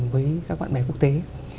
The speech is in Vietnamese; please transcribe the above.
với các bạn bè quốc tế